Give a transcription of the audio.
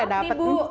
aku dapat empat